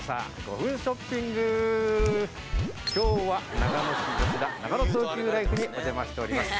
今日は長野市吉田ながの東急ライフにお邪魔しております。